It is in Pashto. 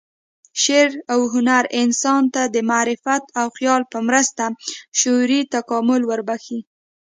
شعر و هنر انسان ته د معرفت او خیال په مرسته شعوري تکامل وربخښي.